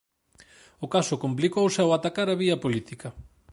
O caso complicouse ao atacar a vía política.